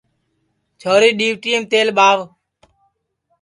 چھوری ڈِؔیوٹئیم تیل ٻاہو